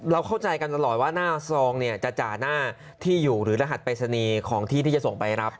เข้าใจกันตลอดว่าหน้าซองเนี่ยจะจ่าหน้าที่อยู่หรือรหัสปริศนีย์ของที่ที่จะส่งไปรับ